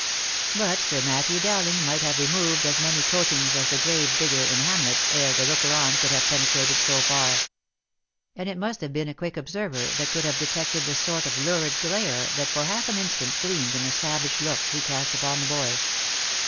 But Sir Matthew Dowling might have removed as many coatings as the grave digger in Hamlet, ere the looker on could have penetrated so far ; and it must have been a quick observer that could have detected the sort of lurid glare that for half an instant gleamed in the savage look he cast upon the boy.